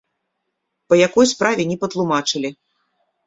Па якой справе, не патлумачылі.